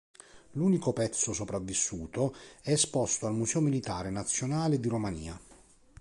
L'unico pezzo sopravvissuto è esposto al Museo militare nazionale di Romania.